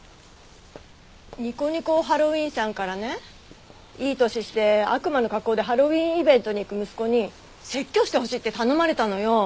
にこにこハロウィーンさんからねいい年して悪魔の格好でハロウィーンイベントに行く息子に説教してほしいって頼まれたのよ。